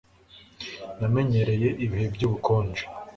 Namenyereye ibihe byubukonje